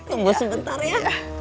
tunggu sebentar ya